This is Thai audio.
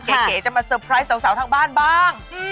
เก๋จะมาเตอร์ไพรส์สาวทางบ้านบ้าง